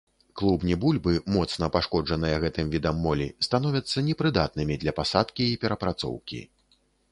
Клубні бульбы, моцна пашкоджаныя гэтым відам молі, становяцца непрыдатнымі для пасадкі і перапрацоўкі.